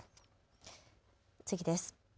次です。